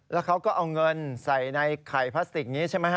แล้วเขาก็เอาเงินใส่ในไข่พลาสติกนี้ใช่ไหมฮ